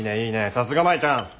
さすが舞ちゃん。